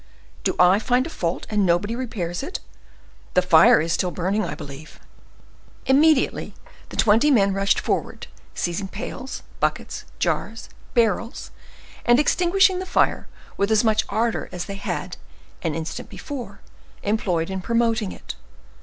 do I find a fault, and nobody repairs it? The fire is still burning, I believe." Immediately the twenty men rushed forward, seizing pails, buckets, jars, barrels, and extinguishing the fire with as much ardor as they had, an instant before, employed in promoting it.